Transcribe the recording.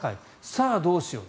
さあ、どうしよう。